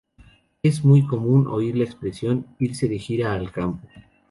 Es muy común oír la expresión 'irse de gira al campo'.